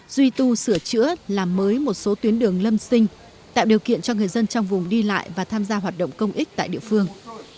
duy tu sửa chữa làm mới một số tuyến đường lâm sinh tạo điều kiện cho người dân trong vùng đi lại và tham gia hoạt động công ích tại địa phương